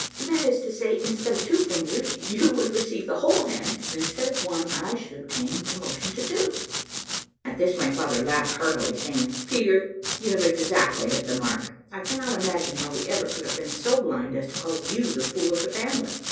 "That is to say, instead of two fingers you would receive the whole hand, and instead of one, I should obtain promotion to two." At this my father laughed heartily, saying, "Peter, you have exactly hit the mark. I cannot imagine how we ever could have been so blind as to call you the fool of the family."